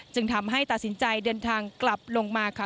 จึงทำให้ตัดสินใจเดินทางกลับลงมาค่ะ